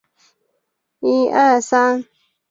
森明顿生于纽约市一个来自于马里兰州的豪族家庭。